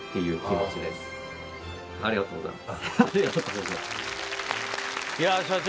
社長ありがとうございます